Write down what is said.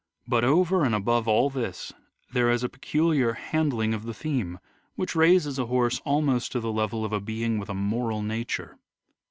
But over and above all this there is a peculiar handling of the theme which raises a horse almost to the level of a being with a moral nature.